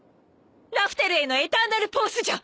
ラフテルへのエターナルポースじゃ！